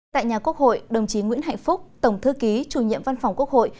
tại nhà quốc hội đồng chí nguyễn hạnh phúc tổng thư ký chủ nhiệm văn phòng quốc hội